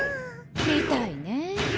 みたいね。